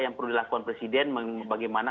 yang perlu dilakukan presiden bagaimana